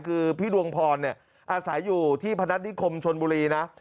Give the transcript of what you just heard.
คือพี่ดวงพรอาศัยอยู่ที่พนัฐนิคมชนบุรีนะ